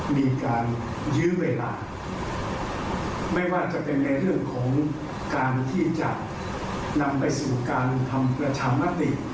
มีการยื้อเวลาไม่ว่าจะเป็นในเรื่องของการที่จะนำไปสู่การทำประชามติ